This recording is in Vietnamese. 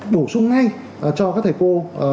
bổ sung ngay cho các thầy cô